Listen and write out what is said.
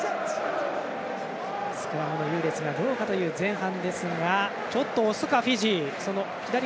スクラムの優劣がどうかという前半。